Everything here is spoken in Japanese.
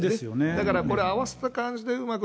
だからこれ、合わせた感じでうまく。